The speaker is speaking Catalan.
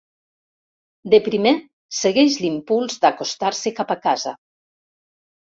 De primer segueix l'impuls d'acostar-se cap a casa.